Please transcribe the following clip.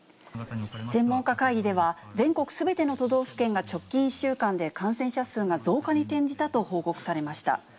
専門家会議では、全国すべての都道府県が直近１週間で感染者数が増加に転じたと報告されました。